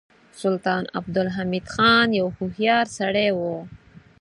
سلطان عبدالحمید خان یو هوښیار سړی و.